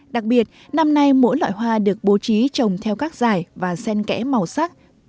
đặc biệt năm nay mỗi loại hoa được bố trí trồng theo các giải và sen kẽ màu sắc